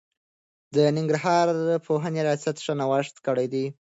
د ننګرهار پوهنې رياست ښه نوښت کړی دی.